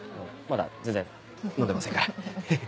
まだ全然飲んでませんから。